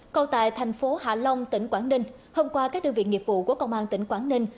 còn tại thành phố hạ long tỉnh quảng ninh hôm qua các đơn vị nghiệp vụ của công an tỉnh quảng ninh